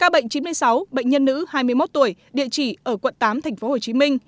một nghìn chín trăm chín mươi sáu bệnh nhân nữ hai mươi một tuổi địa chỉ ở quận tám tp hcm